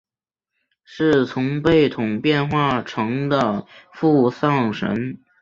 是从贝桶变化成的付丧神。